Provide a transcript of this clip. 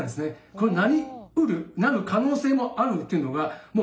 この「なりうる」なる可能性もあるっていうのが短く。